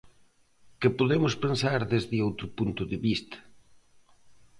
Que podemos pensar desde outro punto de vista.